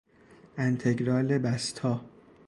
انتگرال بستا